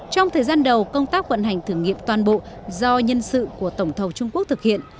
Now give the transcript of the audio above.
trong thời gian đầu công tác vận hành thử nghiệm toàn bộ do nhân sự của tổng thầu trung quốc thực hiện